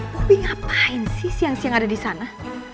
tapi ngapain sih siang siang ada di sana